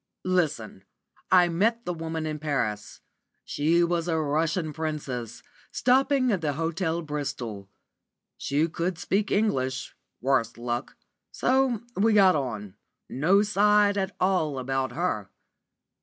"Listen. I met the woman in Paris. She was a Russian princess, stopping at the Hotel Bristol. She could speak English worse luck. So we got on. No side at all about her.